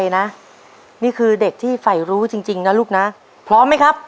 นี่คือเด็กที่ฝ่ายรู้จริงนะลูกนะพร้อมไหมครับ